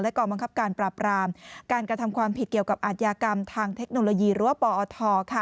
กองบังคับการปราบรามการกระทำความผิดเกี่ยวกับอาทยากรรมทางเทคโนโลยีหรือว่าปอท